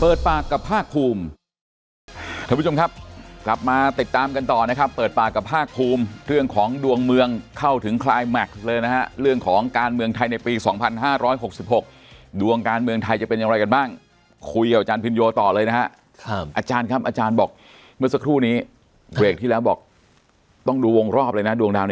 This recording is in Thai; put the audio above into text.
ปากกับภาคภูมิท่านผู้ชมครับกลับมาติดตามกันต่อนะครับเปิดปากกับภาคภูมิเรื่องของดวงเมืองเข้าถึงคลายแม็กซ์เลยนะฮะเรื่องของการเมืองไทยในปี๒๕๖๖ดวงการเมืองไทยจะเป็นอย่างไรกันบ้างคุยกับอาจารย์พินโยต่อเลยนะฮะอาจารย์ครับอาจารย์บอกเมื่อสักครู่นี้เบรกที่แล้วบอกต้องดูวงรอบเลยนะดวงดาว